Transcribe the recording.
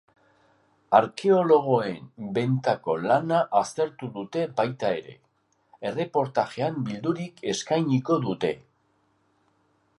Arkeologoen bentako lana aztertu dute baita ere, erreportajean bildurik eskainiko dute.